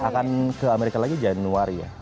akan ke amerika lagi januari ya